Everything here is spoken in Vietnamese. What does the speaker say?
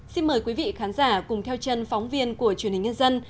xin mời quý vị khán giả cùng theo chân phóng viên của truyền hình nhân dân